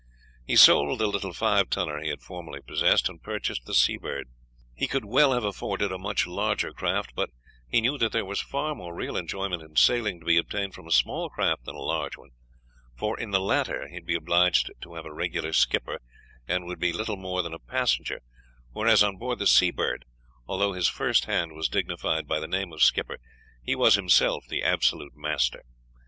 He sold the little five tonner he had formerly possessed, and purchased the Seabird. He could well have afforded a much larger craft, but he knew that there was far more real enjoyment in sailing to be obtained from a small craft than a large one, for in the latter he would be obliged to have a regular skipper, and would be little more than a passenger, whereas on board the Seabird, although his first hand was dignified by the name of skipper, he was himself the absolute master.